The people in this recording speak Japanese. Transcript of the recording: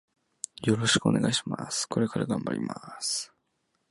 よろしくお願いします。これから頑張ります。